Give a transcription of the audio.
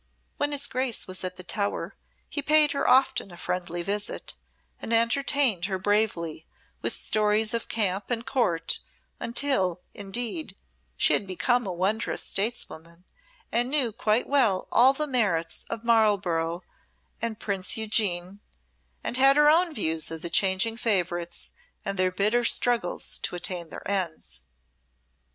When his Grace was at the tower he paid her often a friendly visit, and entertained her bravely with stories of camp and Court until, indeed, she had become a wondrous stateswoman, and knew quite well the merits of Marlborough and Prince Eugene, and had her own views of the changing favourites and their bitter struggles to attain their ends.